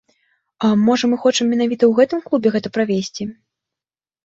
Можа мы хочам менавіта ў гэтым клубе гэта правесці!?